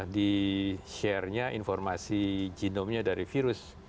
di share nya informasi genomnya dari virus